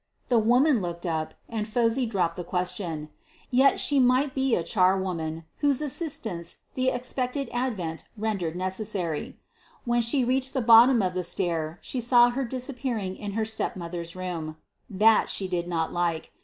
The woman looked up, and Phosy dropped the question. Yet she might be a charwoman, whose assistance the expected advent rendered necessary. When she reached the bottom of the stair she saw her disappearing in her step mother's room. That she did not like.